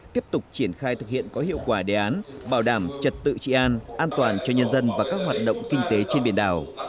tiếp tục triển khai thực hiện có hiệu quả đề án bảo đảm trật tự trị an an toàn cho nhân dân và các hoạt động kinh tế trên biển đảo